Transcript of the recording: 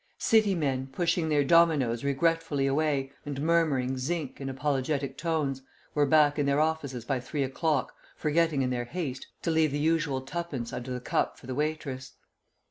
City men, pushing their dominoes regretfully away, and murmuring "Zinc" in apologetic tones, were back in their offices by three o'clock, forgetting in their haste to leave the usual twopence under the cup for the waitress.